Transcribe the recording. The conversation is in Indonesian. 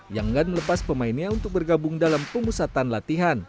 yang enggak melepas pemainnya untuk bergabung dalam pemusatan latihan